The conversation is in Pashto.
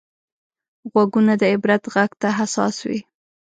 غوږونه د عبرت غږ ته حساس وي